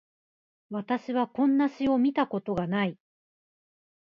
私はこんな詩を見たことがない